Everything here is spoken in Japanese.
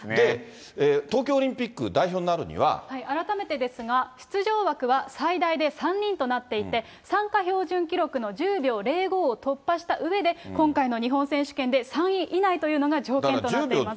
東京オリンピック代表になる改めてですが、出場枠は最大で３人となっていて、参加標準記録の１０秒０５を突破したうえで、今回の日本選手権で３位以内というのが条件となっています。